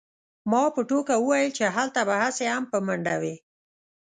ما په ټوکه وویل چې هلته به هسې هم په منډه وې